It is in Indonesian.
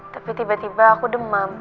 tapi tiba tiba aku demam